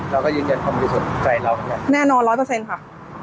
เราก็ยืนยันความมีสุดใจเรากันแน่แน่นอนร้อยเปอร์เซ็นต์ค่ะ